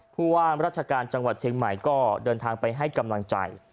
ผู้ว่ามราชการจังหวัดเชียงใหม่ก็เดินทางไปให้กำลังใจ